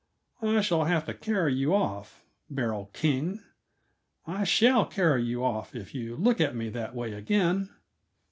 "I shall have to carry you off Beryl King; I shall carry you off if you look at me that way again!"